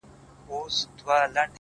د ورځې ماته د جنت په نيت بمونه ښخ کړي!!